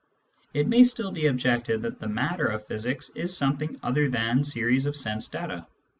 It may still be objected that the " matter " of physics is something other than series of sense data.